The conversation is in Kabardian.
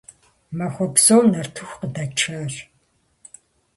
Махуэ псом нартыху къыдачащ.